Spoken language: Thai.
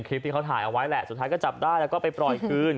คลิปที่เขาถ่ายเอาไว้แหละสุดท้ายก็จับได้แล้วก็ไปปล่อยคืน